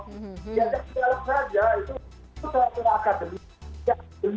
ya yang terakhir saja itu itu adalah perakademi